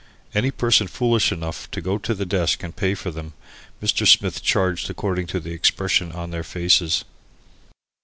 Any persons foolish enough to go to the desk and pay for them, Mr. Smith charged according to the expression of their faces.